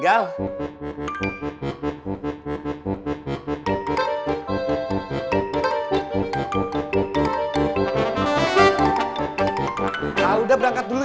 ah bang udah penuh nih